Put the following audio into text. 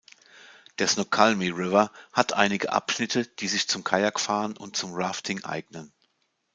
Der Snoqualmie River hat einige Abschnitte, die sich zum Kajakfahren und zum Rafting eignen.